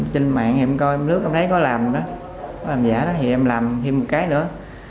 trên mạng em coi em lướt em thấy có làm giả thì em làm thêm một cái nữa